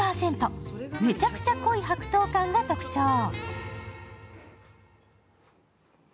めちゃくちゃ濃い白桃感が特徴。